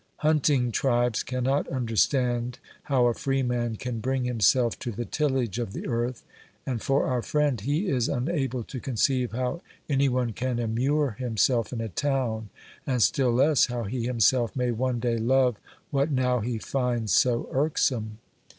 Hunting tribes cannot understand how a free man can bring himself to the tillage of the earth, and for our friend, he is unable to conceive how any one can immure himself in a town, and still less how he himself may one day love what now he finds so irksome.